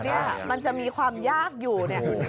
ก็มันจะมีความยากอยู่